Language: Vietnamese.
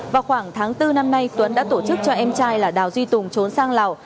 vào khoảng tháng bốn năm nay tuấn đã tổ chức cho em trai là đào duy tùng trốn sang lào